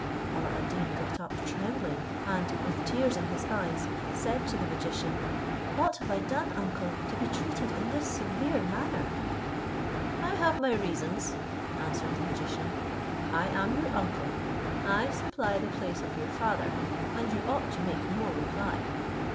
Alla ad Deen got up trembling, and with tears in his eyes, said to the magician, "What have I done, uncle, to be treated in this severe manner?" "I have my reasons," answered the magician: "I am your uncle, I supply the place of your father, and you ought to make no reply.